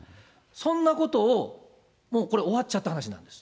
そんなことを、もうこれ、終わっちゃった話なんです。